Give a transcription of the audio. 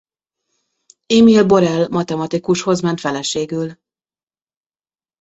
Émile Borel matematikushoz ment feleségül.